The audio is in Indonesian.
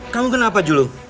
kamu kenapa jelung